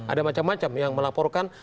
ada macam macam yang melaporkan